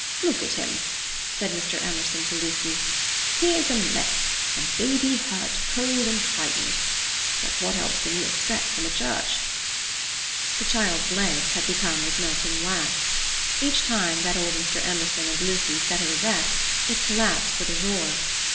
"Look at him!" said Mr. Emerson to Lucy. "Here's a mess: a baby hurt, cold, and frightened! But what else can you expect from a church?" The child's legs had become as melting wax. Each time that old Mr. Emerson and Lucy set it erect it collapsed with a roar.